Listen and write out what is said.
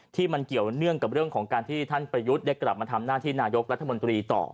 ที่มันเกี่ยวเนื่องกับเรื่องของการที่ท่านประยุทธ์ได้กลับมาทำหน้าที่นายกรัฐมนตรีต่อ